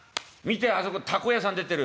あそこ凧屋さん出てる。